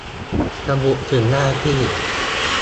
ระบุถึงหน้าที่